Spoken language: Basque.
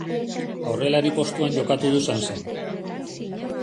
Aurrelari postuan jokatu du Sansen.